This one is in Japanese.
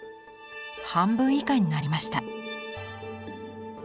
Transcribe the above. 半分以下になりました。